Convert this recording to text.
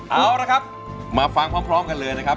เอาละครับมาฟังพร้อมกันเลยนะครับ